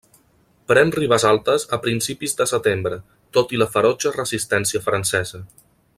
Pren Ribesaltes a principis de setembre, tot i la ferotge resistència francesa.